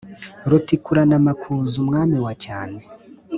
Rutikurana amakuza umwami wa cyane,